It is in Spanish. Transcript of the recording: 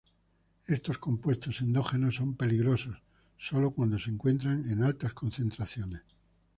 Estos compuestos endógenos son peligrosos solo cuando se encuentran en altas concentraciones.